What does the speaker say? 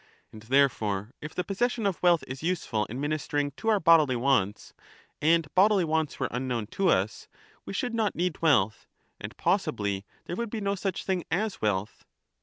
And therefore if the possession of wealth is useful in ministering to our bodily wants, and bodily wants were unknown to us, we should not need wealth, and possibly there would be no such thing as wealth.